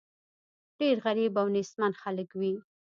ډېر غریب او نېستمن خلک وي.